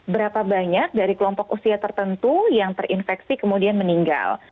berapa banyak dari kelompok usia tertentu yang terinfeksi kemudian meninggal